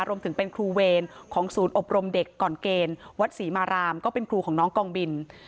รวมถึงเป็นครูเวรของศูนย์อบรมเด็กก่อนเกณฑ์วัดศรีมารามก็เป็นครูของน้องกองบิน